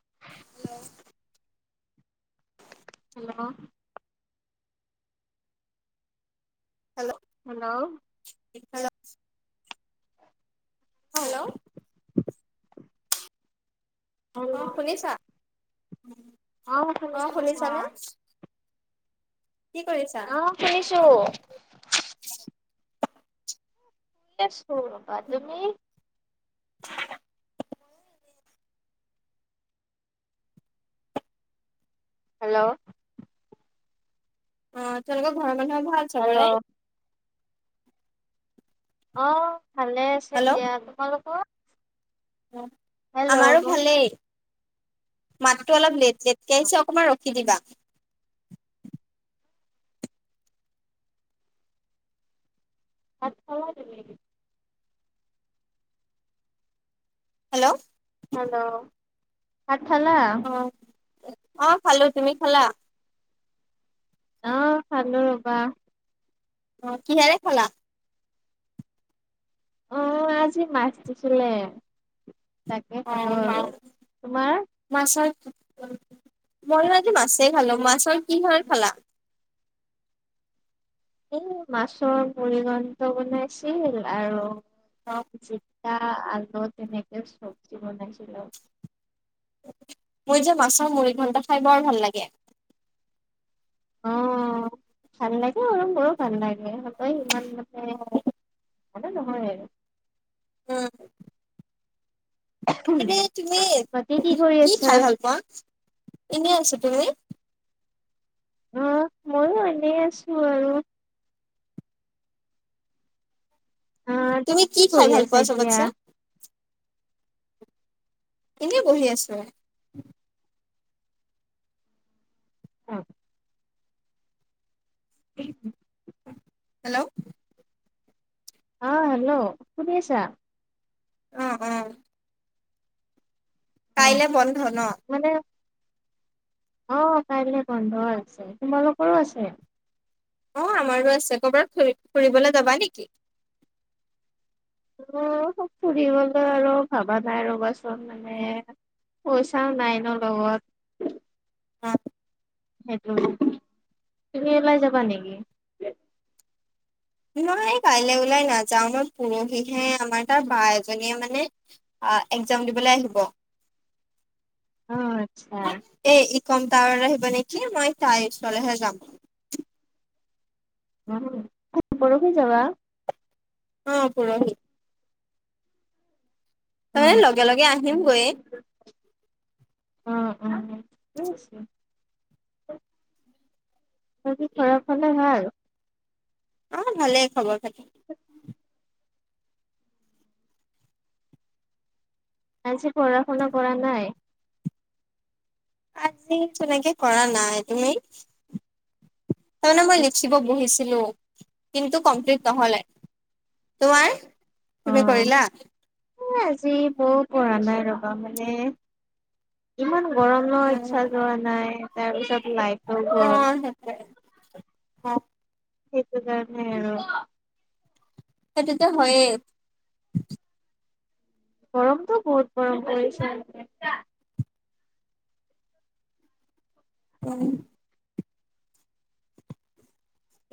Hello? Hello? Hello? Hello? Hello? Hello অ', শুনিছা? অ', শুনিছো কোৱা। কি কৰিছা? অ শুনিছো শুই এনে আছোঁ ৰ'বা, তুমি? হেল্ল'? অ', তেওঁলোকৰ ঘৰৰ মানুহে ভাল হেল্ল' চবৰে? অ', ভালে আছে হেল্ল' দিয়া। তোমালোকৰ? আমাৰো হেল্ল' ভালেই। মাতটো অলপ লেট লেটকে আহিছে অকমান ৰ খি দিবা। ভাত খালা [unintelligible] হেল্ল'? হেল্ল', ভাত খালা? অ অ', খালো। তুমি খালা? অ', খালো ৰ'বা। অ', কিহেৰে খালা? অঁ, আজি মাছ দিছিলে। তাকে খালো অ' আৰু অ' তোমাৰ মছ মই আজি মাছেই খালো, মাছৰ কি হয় খালা? এ মাছৰ মুৰিগণ্ঠ বনাইছিল আৰু জিকা আলু তেনেকে চব্জি বনাইছিলো। মোৰ যে মাছৰ মুৰিঘণ্টা খাই বৰ ভাল লাগে। অ', [inaudible] ভাল লাগে [unintelligible] মোৰো ভাল লাগে হ'লেও ইমান মানে মানে নহয় উম। আৰু। [unintelligible] তুমি বাকী কৰি কি আছা? খাই ভাল পোৱা? এনেই আছো, তুমি? অহ, ময়ো এনেই আছো আৰু। অ', তুমি কি খাই কৰি ভাল আছা পোৱা এতিয়া? চবটছে? এনেই বহি আছোঁ। অ'। হেল্ল' অ' হেল্ল' শুনিছা? উম উম। অ', কাইলৈ বন্ধ ন? মানে অ' কাইলৈ বন্ধ আছে, তোমালোকৰো আছে? অ' আমাৰো আছে, কৰ'বাত ফুৰিবলৈ যাবা নেকি? অ' ফুৰিবলৈ আৰু ভবা নাই, ৰবাচোন মানে পইচাও নাই ন লগত। অ সেইটো, তুমি ওলাই যাবা নেকি? মই কাইলৈ ওলাই নাযাওঁ আমাৰ পৰহিহে আমাৰ তাৰ বা এজনীয়ে মানে অ' একজাম দিবলৈ আহিব। অ' আতচ্ছা। এই ই কম টাৱাৰত আহিব নেকি মই তাই ওচৰলেহে যাম। পৰহি যাবা? অ' পৰহি। অ' লগে লগে আহিম গৈয়ে। উম উম উম। বাকী ঘৰৰ ফালে ভাল? অ' ভালে খবৰ খাতি। আজি পঢ়া শুনা কৰা নাই? আজি তেনেকে কৰা নাই, তুমি? তাৰমানে মই লিখিব বহিছিলো, কিন্তু কমপ্লিট নহলে, তোমাৰ? তুমি অ', কৰিলা আজি বহুত কৰা নাই ৰবা মানে, ইমান গৰম ন উম, ইচ্ছা যোৱা নাই। তাৰপিছত লাইটো অ গ'ল। সেইটোৱে অ'। সেইটো কাৰণে আৰু। সেইটোতো হয়েই। গৰমটো, বহুত গৰম পৰিছে। হয়।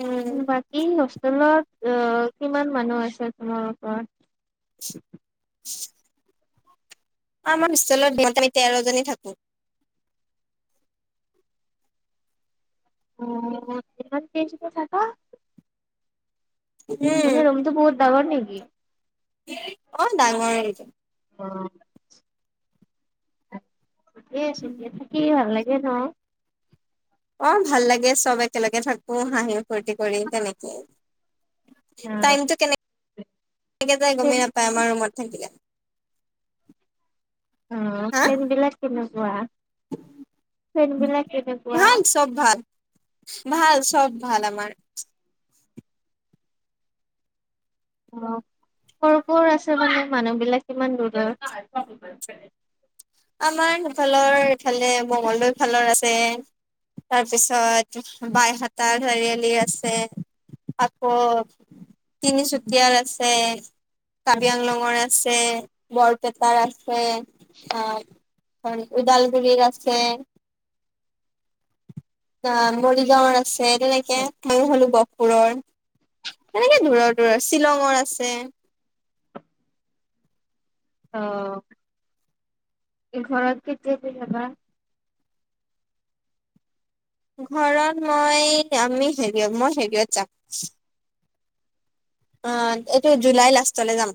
উম, বাকী, হোষ্টেলত অ' কিমান মানুহ আছে তোমালোকৰ? [inaudible] আমাৰ হোষ্টেলত [unintelligible] আমি তেৰ জনী থাকো। [unintelligible] কেইজনী থাকা? উম, মানে ৰুমটো বহুত ডাঙৰ নেকি? অ' ডাঙৰে। অ [unintelligible] [unintelligible] অ' ভাল লাগে চ'ব একেলগে থাকো হাঁহি ফূৰ্তি কৰি তেনেকে। টাইমটো কেনেক কেনেকে যাই অ', গমেই নাপায় আমাৰ ৰুমত থাকিলে। অ' হা ফেইনড বিলাক কেনেকুৱা। ফেনবিলাক কেনেকুৱা? ভাল চব ভাল, ভাল চব ভাল আমাৰ। অ'। সৰু কৰ আছে মানে মানুহ বিলাক কিমান দূৰৰ আমাৰ সফালৰ ইফালে মঙংগলদৈ ইফালৰ আছে, তাৰপিছত বাই হাতাৰ চাৰিআলি আছে আকৌ। তিনিচুতীয়াৰ আছে, কাৰ্বি আলংৰ আছে, বৰপেটাৰ আছে। [unintelligible] অ' উদালগুৰিৰ আছে। ন মৰিগাঁৱৰ আছে তেনেকে ময়ো হ'লো গঢ় পুৰৰ তেনেকে দূৰৰ দূৰৰ শ্বিলংৰ আছে। অ' এই ঘৰতৰত কেতিয়াকে যাবা। ঘৰত মই আমি হেৰিয়ত মই হেৰিয়ত যাম। আহ এইটো জুলাই লাষ্টলৈ যাম।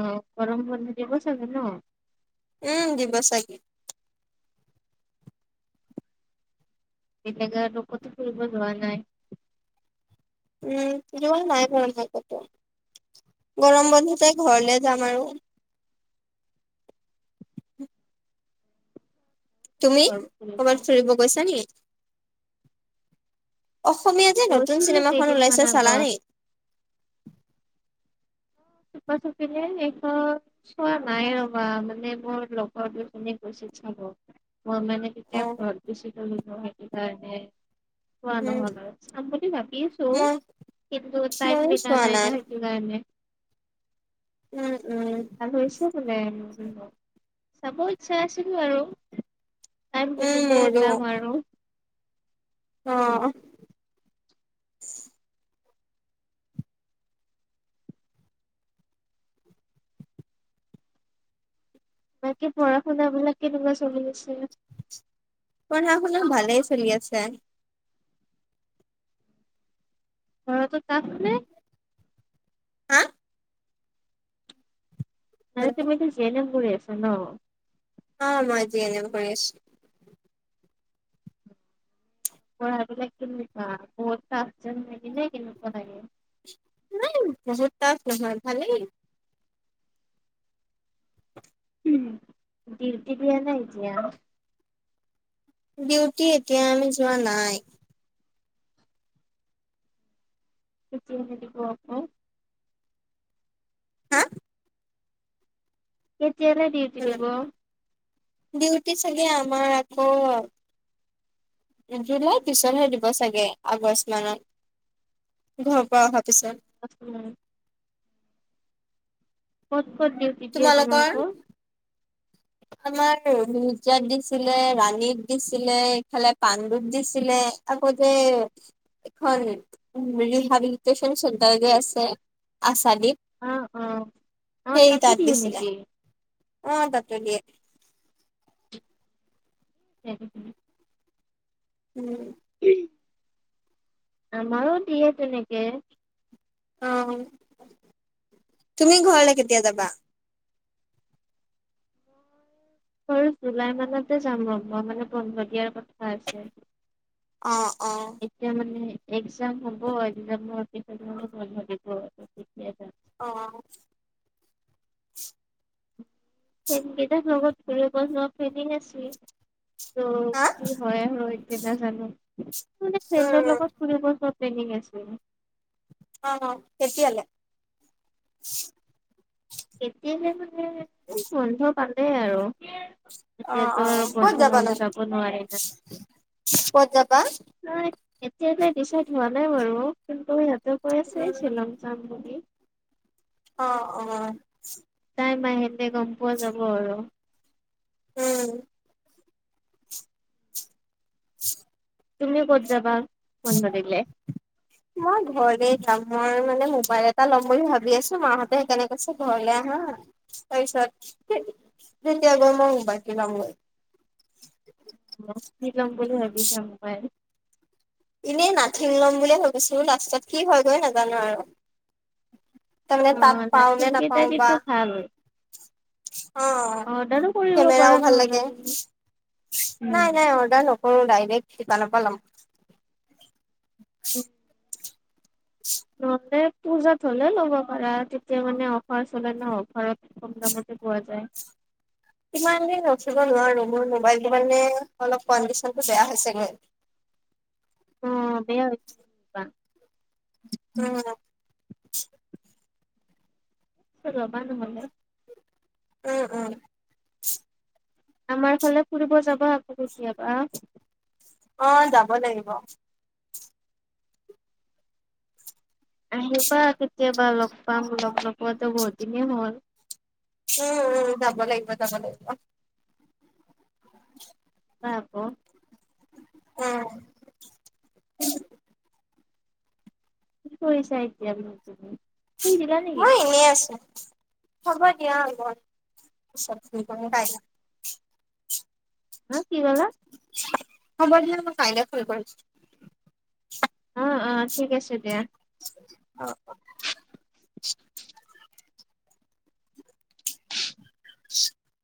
অ' গৰম বন্ধ দিব চাগে ন। উম, দিব চাগে। [unintelligible] কতো ফুৰিব যোৱা নাই। উম, জোৱা নাই [unintelligible] গৰম বন্ধতে ঘৰলৈ যাম আৰু। [inaudible] তুমি ক'ৰবাত ফুৰিব গৈছা নেকি? অসমীয়া যে নতুন গৈছিলো চিনেমাখন ওলাইছে কেইদিনমান চালা আগত নেকি? চুপা চুপি সেইখন চোৱা নাই ৰবা মানে মোৰ লগৰ দুজনী গৈছে। হ'ব মই মানে অ তেতিয়া ঘৰত গৈছিলো সেইটো কাৰণে। কোৱা উম নহ'লে চাম বুলি ভাবি আছো। মই কিন্তু, তাইম ময়ো মিলা চোৱা নাই নাইনে সেইটো কাৰণে। উম উম ভাল হৈছেয়ে বোলে। চাব ইচ্ছা আছিল আৰু তাইম উম নিমিলে মোৰো যাম আৰু। অ উম। অ [inaudible] বাকী পঢ়া শুনাবিলাক কেনেকুৱা চলি আছে। পঢ়া শুনা ভালেই চলি আছে। ঘৰটো তাপ নে? হা আৰু হেল্ল'? তুমি টো জি এছ নেম কৰি আছা। অ' মই জি এছ নেম কৰি আছো। পঢ়াবিলাক কেনেকুৱা বহুত টান টাননে নেকি নে কেনেকুৱা লাগে। নাই বহুত টপ নহয় ভালেই। ডিউটি দিয়া নাই এতিয়া। ডিউটি এতিয়া আমি যোৱা নাই। [unintelligible] হা কেতিয়ালে ডিউটি হেল্ল'? দিব। ডিউটি চাগে আমাৰ আকৌ। জুলাই পিছতহে দিব চাগে, আগষ্ট মানত। ঘৰ পৰা অহা। আচ [unintelligible] ক'ত ক'ত দিউটি দিয়ে তোমালোকৰ? আমাৰ মিৰ্জাত দিছিলে ৰাণীক দিছিলে এইফালে পাণ্ডুত দিছিলে আকৌ যে [unintelligible] এখন ৰিহাবিলিটচন চেণ্টাৰ যে আছে আছে [unintelligible] ৰানীত, অ অ আমাৰ সেই তাতো তাত দিয়ে দিছিলে। নেকি অ' তাতে দিয়ে। [unintelligible] উম। আমাৰো দিয়ে তেনেকে। অ' তুমি ঘৰলৈ কেতিয়া যাবা। ঘৰত জুলাই মানতে যাম, মই মানে বন্ধ দিয়াৰ কথা আছে। অ' অ' এক্সাম হ'ব এক্সামতিহত ভাল লাগিব তে [unintelligible] অ' েমকেইটাৰ লগত গ ফেমি আছিল [unintelligible] ত হা? কি হয় হয় কি নাজানো ম ফেৰ উম, লগত ফুৰিব [unintelligible] ট্ৰইনিং আছে। অ' তেতিয়ালে। ও' বন্ধ পালেই আৰু অ' এতিয়াতো অ' আৰু ক'ত বন্ধ যাবা নো? নহ'লে যাব নোৱাৰি না। ক'ত যাবা? নাই এতিয়ালৈ দিচিচন হোৱা নাই বাৰু, কিন্তু সিহঁতে কৈ আছে উম, শ্বিলং যাম বুলি। অ' অ' নাই মাহ সেতে গম পোৱা যাব আৰু। উম উ [unintelligible] তুমি ক'ত যাবা? বন্ধ দিলে? মই ঘৰে মই মানে মোবাইল এটা ল'ম বুলি ভাবি আছো, মাহঁতে সেইকাৰণে কৈছে ঘৰলৈ আহা তাৰ পিছত যেতিয়া গৈ মং বাকী লমগৈ। কি লাম বুলিলে হবিি চম পাই [unintelligible] এনেই নাথিং ল'ম বুলিয়ে ভাবিছো, লাষ্টত কি হয়গৈ নাজানো আৰু। তাৰমানে অ' তাত পাওঁ নাথিং নে কেইটা নাপাওঁ কিন্তু বা। ভাল। অ' অৰ্ডাৰো কৰিব পাৰা কেমেৰাও ভাল নহ'লে লাগে তুমি। নাই নাই অৰ্ডাৰ নকৰো ডাইৰেক্ট দোকানৰ পা লম। অ' নহলে পূজাত হ'লে ল'ব পাৰা, তেতিয়া মানে অফাৰ চলে ন অফাৰত ক'ম দামতে পোৱা যায়। ইমান দিন ৰখিব নোৱাৰো, মোৰ মোবাইলটো মানে অলপ কণ্ডিশনটো বেয়া হৈছেগৈ। অ' বেয়া হৈছে কিবা? উম [unintelligible] ল'বা নহ'লে। উম উম আমাৰ ফালে ফুৰিব যাব আকৌ কেতিয়াবা। অ' যাব লাগিব। আহিবা কেতিয়াবা লগ পাম, লগ নোৱাাতো বহুত দিনেই হ'ল? উম উম যাব লাগিব যাব লাগিব। [unintelligible] [unintelligible] আকৌ [inaudible] কি কৰিছা এতিয়া তুমি শুই দিলা নেকি? মই এনেই আছো হ'ব দিয়া, [unintelligible] উম, কি ক'লা? হ'ব দিয়া মই বাহিৰত ফুৰিব আহিছোঁ। অ', অ', ঠিক আছে দিয়া। অ' অ' [unintelligible]